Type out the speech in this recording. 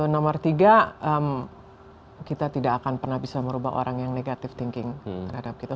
nomor tiga kita tidak akan pernah bisa merubah orang yang negatif thinking terhadap kita